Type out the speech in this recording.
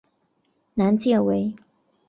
南界为。